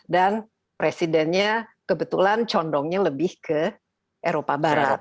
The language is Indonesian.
dan presidennya kebetulan condongnya lebih ke eropa barat